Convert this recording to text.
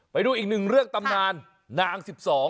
ไปดูอีกหนึ่งเรื่องตำนานนาง๑๒